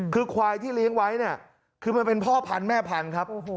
คือควายที่เลี้ยงไว้เนี่ยคือมันเป็นพ่อพันธุ์แม่พันธุ์ครับ